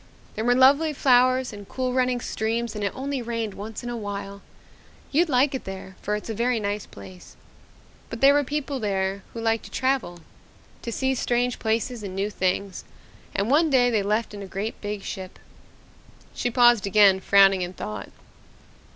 There were lovely flowers and cool running streams and it only rained once in a while. You'd like it there for it's a very nice place. But there were people there who liked to travel to see strange places and new things, and one day they left in a great big ship." She paused again, frowning in thought.